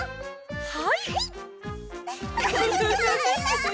はい。